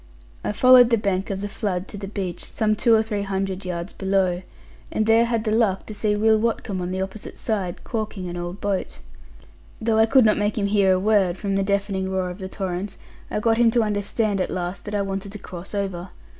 I followed the bank of the flood to the beach, some two or three hundred yards below; and there had the luck to see Will Watcombe on the opposite side, caulking an old boat. Though I could not make him hear a word, from the deafening roar of the torrent, I got him to understand at last that I wanted to cross over.